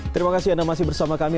terima kasih anda masih bersama kami